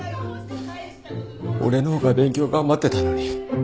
俺のほうが勉強頑張ってたのに。